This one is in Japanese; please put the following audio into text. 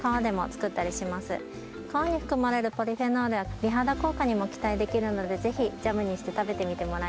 皮に含まれるポリフェノールは美肌効果にも期待できるのでぜひジャムにして食べてみてもらいたいですね。